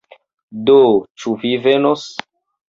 Do, ĉu vi venos?